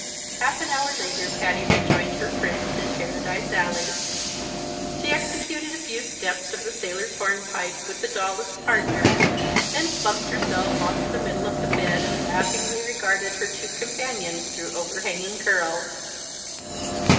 Half an hour later Patty rejoined her friends in Paradise Alley. She executed a few steps of the sailor's hornpipe with the doll as partner, then plumped herself onto the middle of the bed and laughingly regarded her two companions through over hanging curls.